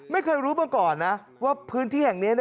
ไม่เคยรู้มาก่อนนะว่าพื้นที่แห่งนี้